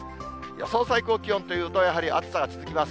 予想最高気温というと、やはり暑さが続きます。